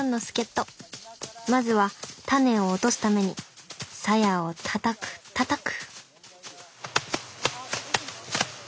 まずはタネを落とすためにサヤをたたくたたく！